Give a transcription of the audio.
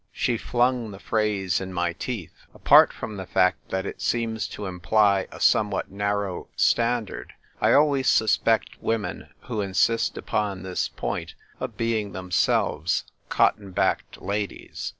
She flung the phrase in my teeth. Apart from the fact that it seems to imply a somewhat narrow standard, I always suspect women who insist upon this point of being themselves otton backed ladies.